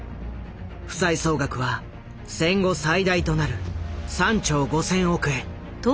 負債総額は戦後最大となる３兆５０００億円。